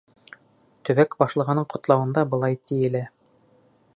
Төбәк башлығының ҡотлауында былай тиелә: